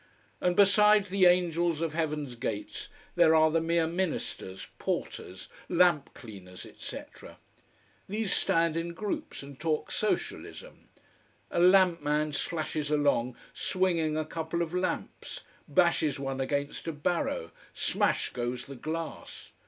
And besides the angels of heaven's gates, there are the mere ministers, porters, lamp cleaners, etc. These stand in groups and talk socialism. A lamp man slashes along, swinging a couple of lamps. Bashes one against a barrow. Smash goes the glass.